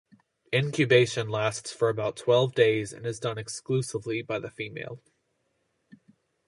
Incubation lasts for about twelve days and is done exclusively by the female.